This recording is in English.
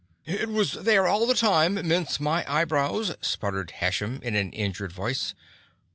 "It was there all the time, mince my eyebrows!" spluttered Hashem in an injured voice.